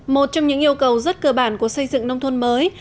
một trong những yêu cầu rất cơ bản của xây dựng nông thôn mới